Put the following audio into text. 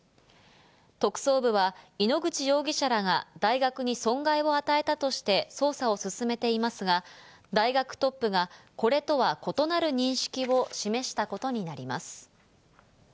特捜部は、井ノ口容疑者らが大学に損害を与えたとして捜査を進めていますが、大学トップが、これとは異なる認識を示したことになります。